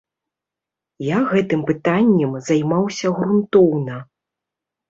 Я гэтым пытаннем займаўся грунтоўна.